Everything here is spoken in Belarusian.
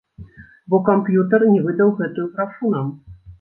Бо камп'ютар не выдаў гэтую графу нам!